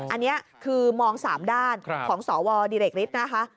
อันนี้คือมอง๓ด้านของสวดิเรกฤทธิ์นะคะ